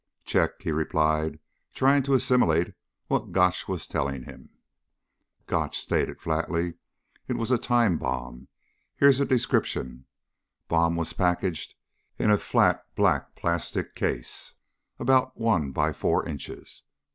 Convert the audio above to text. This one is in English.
"Check," he replied, trying to assimilate what Gotch was telling him. Gotch stated flatly. "It was a time bomb. Here's a description. Bomb was packaged in a flat black plastic case about one by four inches.